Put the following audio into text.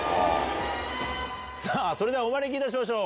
さあ、それではお招きいたしましょう。